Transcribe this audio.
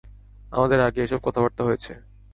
আমাদের আগেই এসব কথাবার্তা হয়েছে।